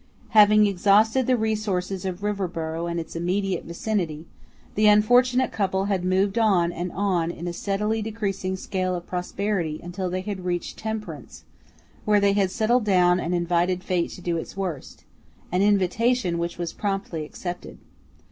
Having exhausted the resources of Riverboro and its immediate vicinity, the unfortunate couple had moved on and on in a steadily decreasing scale of prosperity until they had reached Temperance, where they had settled down and invited fate to do its worst, an invitation which was promptly accepted.